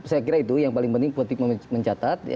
saya kira itu yang paling penting publik mencatat